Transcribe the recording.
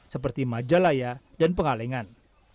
seperti majalaya dan penghalengan